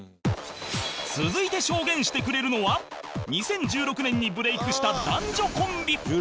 続いて証言してくれるのは２０１６年にブレイクした男女コンビ